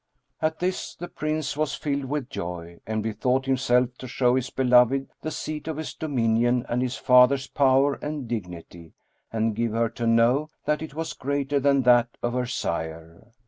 At this, the Prince was filled with joy and bethought himself to show his beloved the seat of his dominion and his father's power and dignity and give her to know that it was greater than that of her sire.